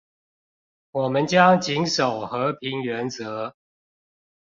我們將謹守和平原則